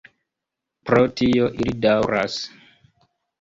Pro tio ili daŭras.